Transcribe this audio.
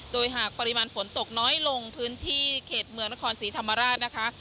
โดยหากปริมาณฝนตกน้อยลงพื้นที่เขตเมืองนครศรีธรรมราชนะคะ